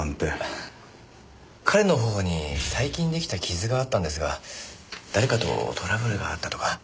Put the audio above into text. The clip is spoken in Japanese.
彼の頬に最近出来た傷があったんですが誰かとトラブルがあったとか？